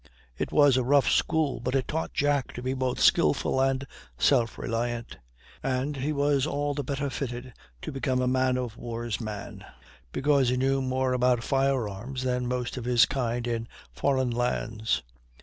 It was a rough school, but it taught Jack to be both skilful and self reliant; and he was all the better fitted to become a man of war's man, because he knew more about fire arms than most of his kind in foreign lands.